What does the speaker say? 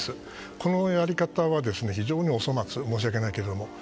このやり方は非常にお粗末申し訳ないけど。